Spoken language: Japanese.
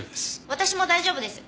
私も大丈夫です。